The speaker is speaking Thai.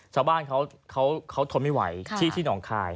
ชาวบ้านเขาทนไม่ไหวที่หนองคาย